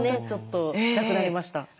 ちょっとなくなりました。